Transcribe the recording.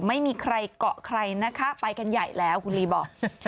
ไม่มีใครเกาะใครนะคะไปกันใหญ่แล้วคุณลีบอก